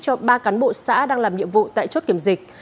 cho ba cán bộ xã đang làm nhiệm vụ tại chốt kiểm dịch